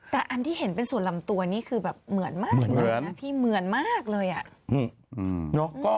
แต่อันที่เห็นเป็นส่วนลำตัวคือเหมือนมากพี่เหมือนมากเลยอ่ะ